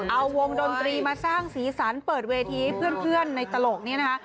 เอาวงดนตรีมาสร้างสีสันเปิดเวทีให้เพื่อนในตลกนี้นะคะ